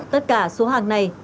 tất cả số hàng này